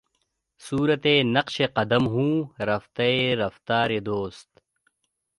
صورتِ نقشِ قدم ہوں رفتۂ رفتارِ دوست